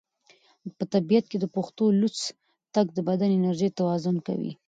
په طبیعت کې د پښو لوڅ تګ د بدن انرژي توازن کوي.